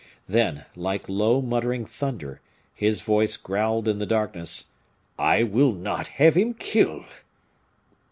Then, like low muttering thunder, his voice growled in the darkness, "I will not have him killed!"